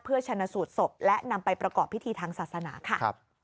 เพื่อชนะสูตรศพและนำไปประกอบพิธีทางศาสนาค่ะ